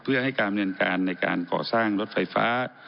เพื่อให้การบริเวณการในการก่อสร้างรถไฟฟ้า